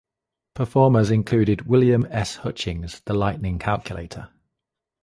Performers included William S. Hutchings, the lightning calculator.